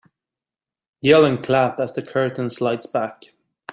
Yell and clap as the curtain slides back.